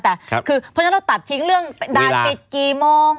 เพราะฉะนั้นเราตัดทิ้งเรื่องด่านปิดกี่โมง